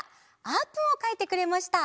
あーぷんをかいてくれました。